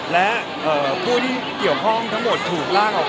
และพวกเขียวข้องทั้งหมดถูกลากออกตัวออกมา